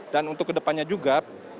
dan untuk kedepannya juga